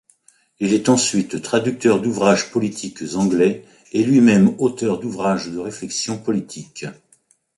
Il est ensuite traducteur d’ouvrages politiques anglais et lui-même auteur d'ouvrages de réflexion politique.